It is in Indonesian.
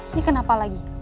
ini kenapa lagi